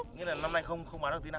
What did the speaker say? nghĩa là năm nay không bán được tí nào